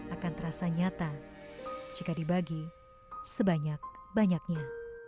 akan terasa nyata jika dibagi sebanyak banyaknya